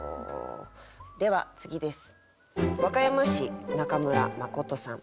では次です。